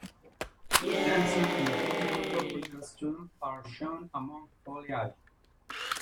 Dancers in beautiful, purple costumes are shown among foliage.